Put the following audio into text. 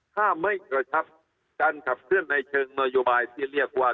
ถ้าไม่กระชับการขับเคลื่อนในเชิงนโยบายที่เรียกว่า